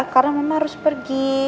karena mama harus pergi